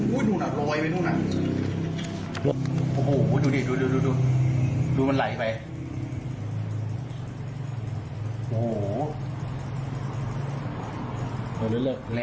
โอ้โหดูหน่ะลอยไปดูหน่ะโอ้โหดูดิดูดูดูดูดูดูมันไหลไป